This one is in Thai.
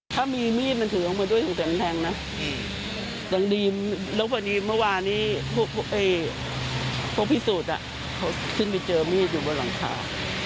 ถ้ามีมีดมันถือข้างบนด้วยถึงแทงนะจังดีแล้วเมื่อวานนี้พวกพิสูจน์เขาขึ้นไปเจอมีดอยู่บนหลังคา